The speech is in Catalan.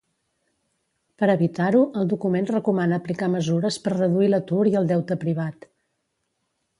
Per evitar-ho, el document recomana aplicar mesures per reduir l'atur i el deute privat.